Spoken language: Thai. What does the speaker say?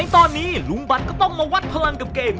ตอนนี้ลุงบัตรก็ต้องมาวัดพลังกับเกม